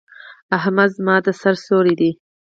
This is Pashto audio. احمد زما د سر سيور دی.